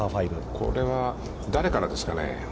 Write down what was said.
これは誰からですかね。